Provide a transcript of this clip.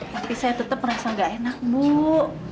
tapi saya tetap merasa gak enak bu